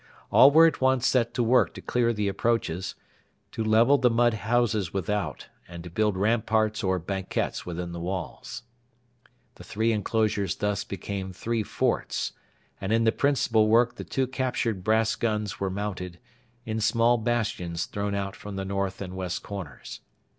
All were at once set to work to clear the approaches, to level the mud houses without, and to build ramparts or banquettes within the walls. The three enclosures thus became three forts, and in the principal work the two captured brass guns were mounted, in small bastions thrown out from the north and west corners.